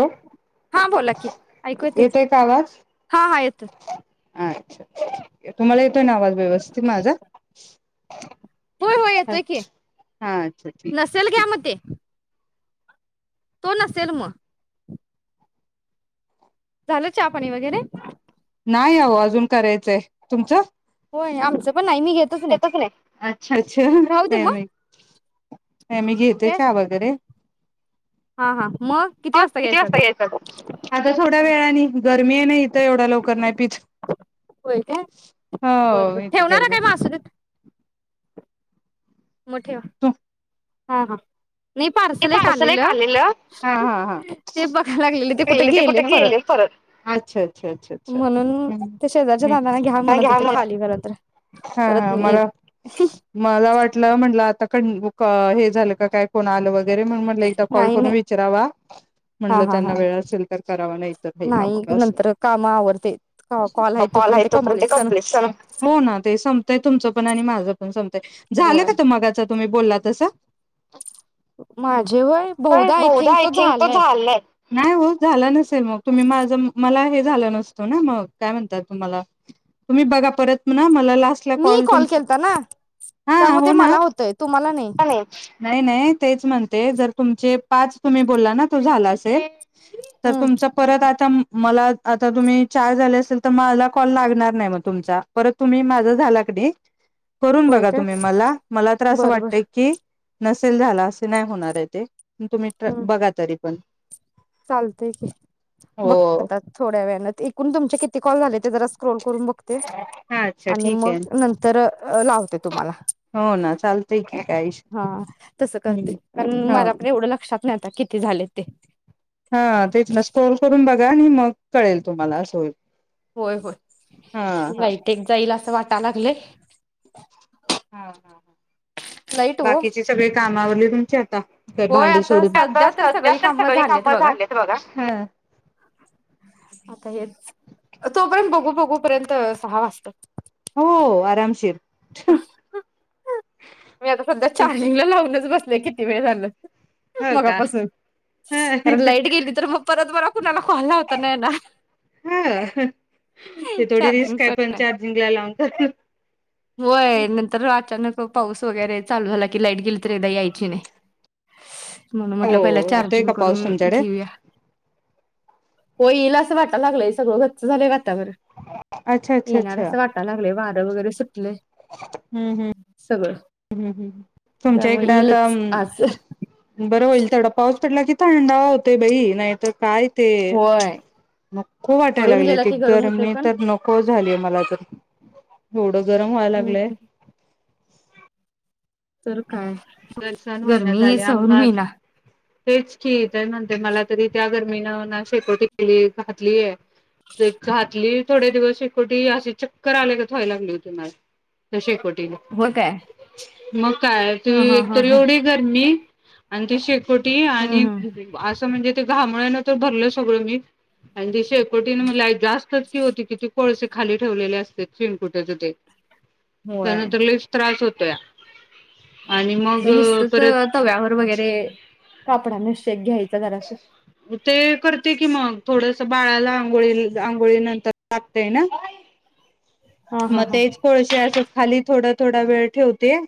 Hello, हा बोला की ऐकू येतय येतोय का आवाज हा हा येतो अच्छा ये तुम्हाला येतो येतोय ना आवाज व्यवस्थित माझा [inaudible] होय होय येतोय की हा अच्छा ठीक. नसेल घ्या म ते तो नसेल मग झालं चहा पाणी वगैरे नाही आहो अजून करायचंय तुमचं होय आमचं पण घेतच नाही अच्छा अच्छा राहू दे काय मग माहीत नाही मी घेते कॅश चहा वगैरे हा हा मग हो किती घ्यायचं वाजता आता यायचा तो आता थोड्या वेळाने गरमी आहे ना? तर एवढा लवकर नाही पिथ होय काय बरं बर हो [unintelligible] [inaudible] मोठे व्हा. तू हा हा ते पार्सल एक आलेलं हा हा ते कुठे गेले परत अच्छा अच्छा अच्छ अच्छा म्हणून ते शेजारच्या दादाना म्हणत घ्या होते म्हंटल खाली घरा तर परत मी येत मला वाटलं म्ह [unintelligible] हे झाल का काय नाही नाही हा हा हा नाही नंतर काम आवरते कॉल आहे तोपर्यंत कंप्लीट कर होय [unintelligible] तुम्ही बोलला तस. बहुधा आय थिंक तो झालाय नाही ओ झाला नसेल मग तुम्ही माझं मला हे झालो नसतो ना मग काय म्हणतात ना मला. तुम्ही बगा परत मा. मी कॉल केलताना हा हो त्यामध्ये ना मला होतय तुम्हाला नाही. आणि नाही नाही तेच म्हण ते जर तुमचे पाच तुम्ही बोलला ना तो झाला असेल. तर हम्म तुमच परत आता, मला आता तुम्ही चार झाले असेल तर मला कॉल लागणार नाही मग तुमचा परत तुम्ही माझा झाला की नी करून होय बघा काय तुम्ही मला मला तर असं बर बर वाटतय की नसेल झाला असं नाही. होणार आहे ते, तुम्ही हम्म बघा तरी, पण, चालतय की हो बघते आता थोड्या वेळाने एकूण तुमचे किती कॉल झाले ते जरा स्क्रोल करून बघते हा अच्छा आणि ठीक मग आहे नंतर लावते. तुम्हाला हो ना चालतय की काय हा तस करते कारण ह मला पण एवढं लक्षात नाही. आता किती झाले ते, हा तेच ना स्कोर करून बघा आणि मग कळेल तुम्हाला अस होईल. होय हा होय लाईट एक जाईल असं वाटाय लागलंय. [unintelligible] हा हा हा, लाईट हो बाकीची सगळी कामावरली तुमची आता भांडी सोडून, आता सध्या सगळी काम झालेत बघा. ह आता हेच तोपर्यंत बघू बघूपर्यंत सहा वाजतात. हो, आरामशीर. मी आता सध्या चार्लिंगला हो लावूनच बसते. किती वेळ झालं. का मगापसून ह कारण लाईट गेली तर मग परत मला कुणाला कॉल लावता नाही येणार. ह ते थोडी चार्जिंग रिस्क आहे पण नाही. चार्जिंगला [inaudible] व्हय नंतर अचानक पाऊस वगैरे चालू झाला कि लाईट गेली तर एकदा यायची नाही. म्हणून हो म्हटलं पहिला येतोय चार्जिंग का पाऊस करून तुमच्याकडे घेऊया. होय येईल असं वाटयला लागलंय सगळं गच्च झालंय वा वातावरण. अच्छा अच्छा येणार अच्छा अस वाटाय लागलय वार वगैरे लय सगळं. ह् ह् तुमच्या त्यामुळे इकडें आता येईलच आज बरं होईल तेवडा पाऊस पडला की थंडावा होतोय बाई नाही तर काय ते होय नको वाटायला पडून लागलय गेला ते की गरम होतय गरमी पण. तरी नको झालीय मला तर एवढ गरम व्हाय लागलंय हम्म तर काय सहन होईना गरमी झाले सहन आम्हा होईना. तेच की हे म्हणत्यात मला तरी त्या गर मी ना उन्हात शेकोटी केली घातलीय ते घातली थोडे दिवस शेकोटी अशी चक्कर आल्यागत व्हाय लागली होती मला. तर शेकोटी होय काय? मग काय ते हा हा एक हा तरी हा एवढी गरमी आणि ती शे कोटी हम्म आणि हम्म. असं म्हणजे ते घामोळ्यानं तर भरलं सगळं मी आणि ती शे शेकोटीने मला जास्तच की ओ किती कोळसे खाली ठेवले अस शेणकुट्याच ते त्यानंतर लईच त्रास होत त्या नुसतच तव्यावर वगैरे कापडा ने शेक घ्यायचं. ते कर करते की मग थोडस बाळाला आंघोळी आंघोळी नंतर लागतय ना. हा हा मग हा तेच कोळशे अस खाली थोडा थोडा वेळ ठेवते.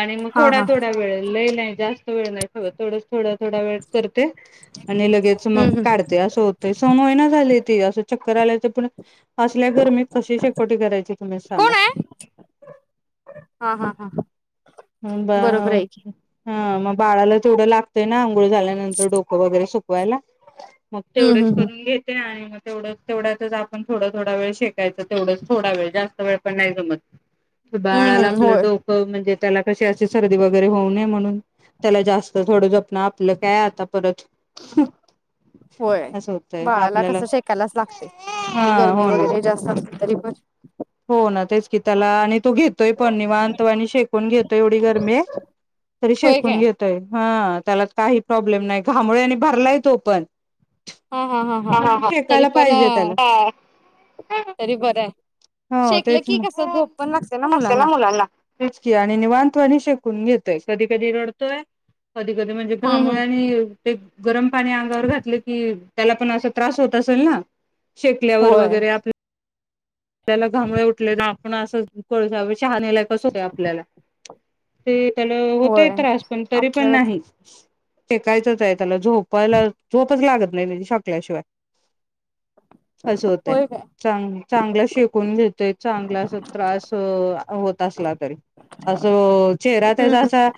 आणि मग हा थोड्या हा थोड्या वेळ लई नाही. जास्त वेळ नाही ठेवत थोड थोडा वेळ कर करते आणि लगेच हम्म मग हम्म काढते असं होत सव्वा महिना झाल्ये ते अस च् करायला येत पण असल्या गरमीत कस कुठे करायची तुम्हीच सांगा. कोण आहे? हा हा हा बरोबर आहे की [unintelligible] हा मग बाळाला तेवढं लागतंय ना. आंघोळ झाल्यानंतर डोक वैगेरे सुक व्हायला मग हम्म तेवढेच हम्म हम्म करून घेते आणि मग तेवढंच तेवढ्यातच आपण थोडा थोडा वेळ शेकायच तेवढंच. थोडा वेळ जास्त वेळ पण नाही जमत. हम्म बाळाला हम्म आपलं होय डोकं म्हणजे त्याला कशी अशी सर्दी वगैरे होऊ नये म्हणून त्याला जास्त थोडं जपण आपलं काय आता परत होय असं होतंय बाळाला आपल्याला कस शेकायलाच लागतंय. ते हा गरमी हो ना वगैरे जास्त असली तरी [inaudible] हो ना तेच की त्याला आणि तू घेतोय पण निवांत वाणी शेकून घेतोय. एवढी गर्मी तरी होय शेकून काय घेतोय. हं त्याला काही प्रॉब्लेम नाही घामोळ्यांनी भरलाय तो पण. हा, हा, हा, हा तरी शेकायला पण पाहिजे त्याला तरी बर आहे. हो शेकलं तेच की ना. कसं झोप पण लागते [unintelligible] ना मुलांना तेच की आणि निवांतवणी शेकून घेत य कधी कधी रडतोय कधी कधी म्हणजे हम्म हम्म घामुळ्यांनी ते गरम पाणी अंगावर घातलं की त्याला पण असं त्रास होत असेल ना. शेकल्यावर होय वगैरे आपल्या त्याला घामुळे उठले आपण असं कोळसा बीळ चहा [inaudible] कस आपल्याला ते त्याला होतय होय. त्रास पण तरी पण आपल्यालाच नाही. शेकायचंच आहे. त्याला झोपायला झोपच लागतं [unintelligible] शेकल्याशिवाय. अस होतंय होय काय चांग चांगल शे शेकून घेतोय चांगल अस त्रास होत असला तरी. अस चेहरा त्याचा हम्म असा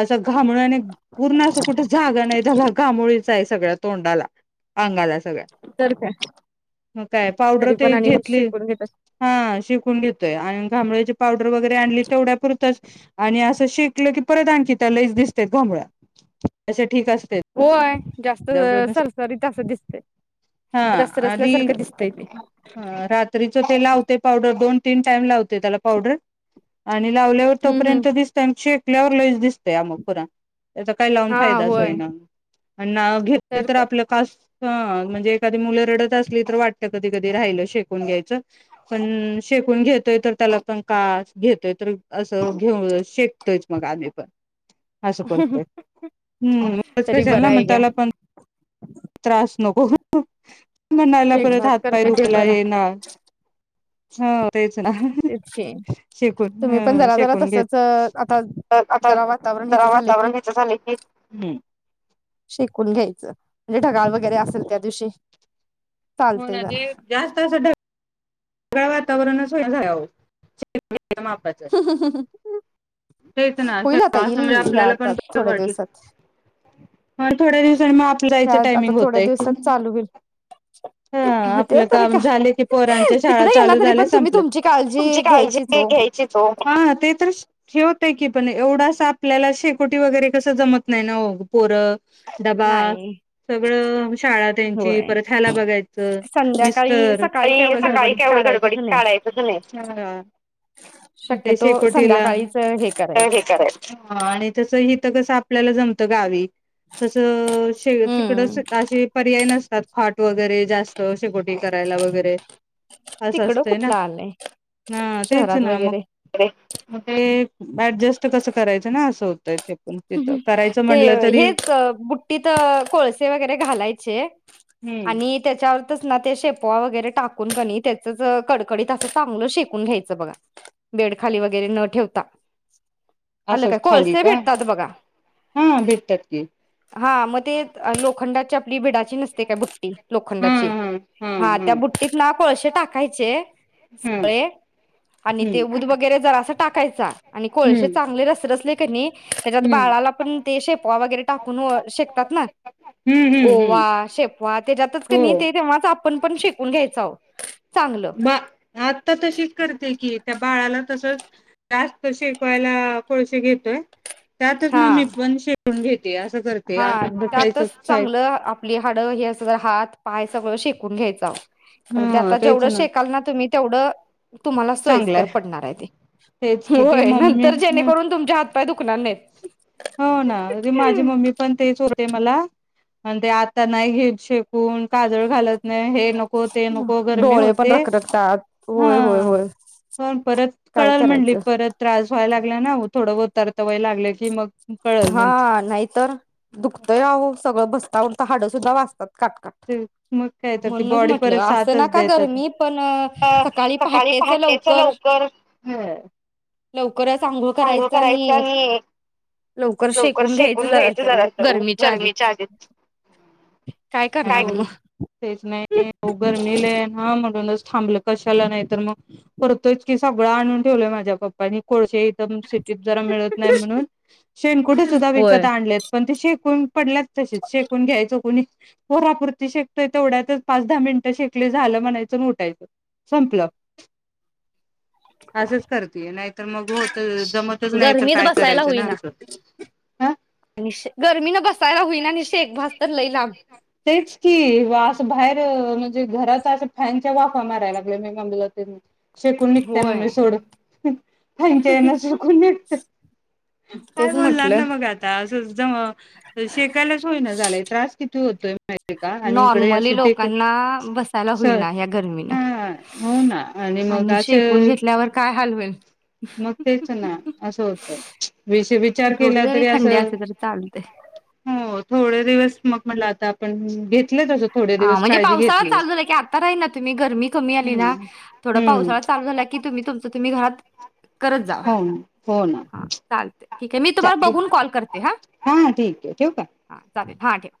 अस घामोळ्याने पूर्ण अस कुठ जागा नाही त्याला घामोळी साय सगळ्या तोंडाला अंगाला सगळ्या तर काय मग काय पावडर तरी पण ते आणि घेतली शेकून घेत हा शेकुन घेत तय अन घामोळीच्या पावडर वगरे आणली तेवढ्या पुरच आणि आज ते शेकलं की परत आणखीन त्या लईच दिसतेत घामोळ्या अशात होय. जास्त सरसरीत अस दिसतय, हा आधी रसरसल्यासारखं दिसतय ते ह रात्रीच ते लावते पावडर दोन तीन टाईम लावते त्याला पावडर आणि लावल्यावर हम्म हम्म तोपर्यंत दिस त्यांची ल्यावर लईच दिस तया मग पुन्हा, त्याचा काही लावून हा फायदाच होय होईना. अन नाव घेतले तर आपलं कास हं म्हणजे एखादी मुलं रडत असली तर वाटत कधी कधी राहिलं शेकून घ्यायचं, पण शेकून घेतोय तर त्याला पण कास घेतोय तर असं घेऊ शेकतोयच मग आधी आम्ही पण हस करतोय हम्म उगच तरी बरं कशाला म्हण आहे घ्या त्याला पण त्रास नको ग बिलकु म्हणायला शेकभात परत हातपाय करते ते दुखला बरं हे ना ह तेच ना तेच की शेकून तुम्ही पण ह जरा जरा शेकून घेत तसच आता तर आता जरा वातावरण ह्याच जरा झालं वातावरण कि ह्याच झाले की हम्म शेकून घ्यायचं म्हणजे ढगाळ वैग गैरे असेल त्यादिवशी हो ना ते जास्त असं ढग गाळ वातावरणच होइना झालय अ ओ चे गे तेच ना होईल आता असं ईल म्हणजे या आपल्याला आता पण बरं थोड्या दिवसात थोडे दिवस ग आप ह्या जायची आता टायमिंग थोड्या होतेय दिवसात चालू होईल हं हो ते आपलं तरी काम काय झाल पोरानी शाळा तिकडे गेला चालू तरी झाल्या पण तुम्ही संपल्यात तुमची तुमची काळजी तर घ्यायचीच काय हो. घ्यायचीच ओ, हा ते तर उस ठेवतय की पण एवढं असं आपल्याला शेकोटी वगैरे कसं जमत नाही ना ओ पोरं डबा नाही सगळं शाळा त्यांची होय परत ह्याला बघायचं संध्याकाळी मिस्टर काय सकाळी एवढं सकाळी गडबडीत तेवढं काढायचंच गडबडीत नाही. काढायचं नाही, म् त्या शक्यतो शेकोटीला संध्याकाळीच हे बाहेर करायचं. हे करायचं हं आणि त्याच हे तिथं कसं आपल्याला जमतं गावी तसं अशे तिकड हम्म. अशी पर्याय नस् तात फाट वगैरे जास्त शेकोटी करायला वगैरे असं तिकडं असतंय ना कुठलं आलंय हं तेच शहरात ना वगैरे मग ते ॲडजस्ट कसं करायचं ना असं होत ते हेच अ बुट्टीत कोळसे वगैरे घालायचे हम्म आणि त्याच्याव् तिथंच ना ते शेपवा वगैरे टाकून कनी त्याचंच अ कडकडीत असं चांगलं शेकून घ्यायचं बघा बेडखाली वगैरे न ठेवता आलं असच काय खाली कोळसे का भेटतात बघा. हं भेटतात की हा मग त् ती लोखंडाची आपली भिडाची नसते काय बुट्टी हा लोखंडाची हा हा हां हा त्या बुट्टीत ना कोळसे टाकायचे हा सगळे आणि ते हम्म ऊद वगैरे जरा टाकायचा आणि कोळसे हम्म चांगले रसरशले कनी त्याच्यात हम्म बाळाला पण ते शेपवा वगैरे टाकून शेकतात ना हम्म हम्म हम्म ओवा शेपवा हो त्याच्यात आपण पण शिकुन घ्यायचं आओ बा आता तशीच करते की त्या बाळाला, तसच जास्त शिकवायला कोळशी घेतोय. त्यातच हा मग मी पण कुन घेतो हा त्यातच चांगलं आपली हाड हे अस हात पाय सगळं शेकून घ्यायंच कारण ते ह आता तेच जेवढं शेकाल ना तुम्ही तेवढं तुम्हाला सोयस्कर पडणार आहे ते तेच किती होय मम्मी नंतर जेणेकरून तुमच्या हात काय दुकनार नाहीत हो ना माझी मम्मी पण तेच होतंय मला म्हण ते आता नाही घे श कोण काजळ घालत नाही हे नको ते नको गरमी डोळे पण होते रखरखतात होय होय हा होय पण परत काय कळल म्हटली करायचं परत त्रास व्हायला लागला ना थोड होतरत वय लागलं की मग, कळल म्हणते हा नाहीतर दुखतय राहो सगळं बसता हाड सुद्धा वाचतात. मग काय तर त बॉडी म्हटलं परत असं सातच नका द्याेतात गरमी पण सकाळी पहाटेच लवकर ह लव करच आंघोळ करायचं आणि लवकर शेकून घ्यायच जरा उ गरमीच्या आधीच, काय करणार मग [unintelligible] तेच ना गर्मीला लय आहे ना म्हणून तिकडच थांबल कशाला नाही तर मग करतोय की सगळं आणून ठेवलंय माझ्या पप्पानी कोळशे तम सिटीत जरा मिळत नाही म्हणून शेनकुट सुद्धा विकत होय आणलेत पण ते शेकून पडलात तसेच शेकून घ्यायचं कोणी पोरापुरती शेकतोय तेवढ्यातच पाच-दहा मिनिटं शेकली झालं म्हणायचं आणि उठायचं संपलं असंच करतूया नाहीतर मग होत जमतच नाही तर गरमीत काय बसायला करायचं ना होईना असं हा आणि शे गर्मीन बसायला होईना नि शेक भास तर लइ लांब जे घरात असं फॅनच्या वाफा माराय लाग मी [unintelligible] शेकून निघतय होय म्हणून सोड ते ना शेकून निघतय काय तेच बोलणार म्हटलं ना बघ आता असं जमा शेकायलाच होईना झालाय त्रास कि तू होतय नॉर्मली लोकांना बसायला होइना या गर्मीनं हा हो ना मग आणि शेकून असे घेतल्यावर काय हाल होइल मग तेच ना असं होतय विशी विचार थोडी केला जरी तरी थंडी असं असली तरी चालते हो थोडे दिवस मग मला आता आपण घेत हा म्हणजे पावसाळा चालू झाला की आता राही ना तुम्ही गरमी कमी आली ना हम्म थोडा हम्म पावसाळा चालू झाला की तुम्ही तुमचं तुम्ही घरात करत जावा हो ना हो ना हा चालते ठीक आहे मी तुम्हाला चालेल बघून कॉल करते हा ठीक आहे ठेवू का हा चालेल हा ठेव